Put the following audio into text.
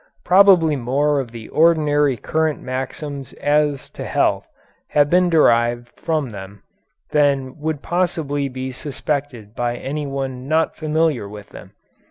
Probably more of the ordinarily current maxims as to health have been derived from them than would possibly be suspected by anyone not familiar with them.